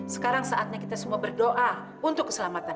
sekarang saatnya kita semua berdoa untuk keselamatan